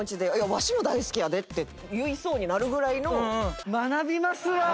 「わしも大好きやで」って言いそうになるぐらいの。